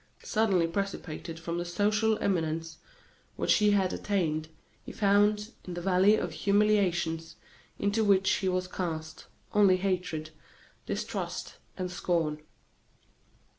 Suddenly precipitated from the social eminence which he had attained, he found, in the valley of humiliations into which he was cast, only hatred, distrust, and scorn.